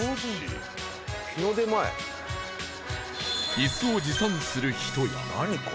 イスを持参する人や